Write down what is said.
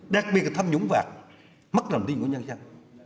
đặc biệt là tham nhũng vạc mất lòng tin của nhân dân